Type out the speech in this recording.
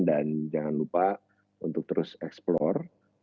dan jangan lupa untuk terus eksplor